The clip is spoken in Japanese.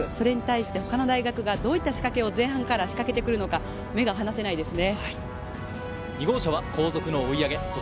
それに対し他の大学がどういった仕掛けを前半からするのか目が離せないですね。